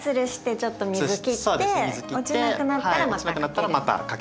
でつるしてちょっと水切って落ちなくなったらまた掛ける。